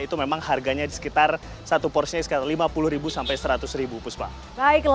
itu memang harganya di sekitar satu porsinya sekitar rp lima puluh rp seratus